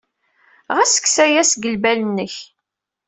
Ɣas kkes aya seg lbal-nnek!